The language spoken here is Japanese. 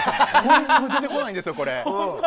本当に出てこないんですよ、これ。